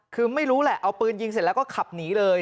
คือไม่รู้แหละเอาปืนยิงเสร็จแล้วก็ขับหนีเลย